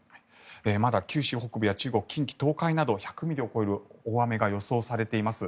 まだ九州北部や中国近畿、東海など１００ミリを超える大雨が予想されています。